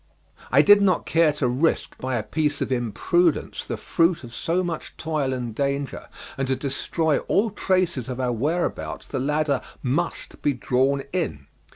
I did not care to risk by a piece of imprudence the fruit of so much toil and danger, and to destroy all traces of our whereabouts the ladder must be drawn in.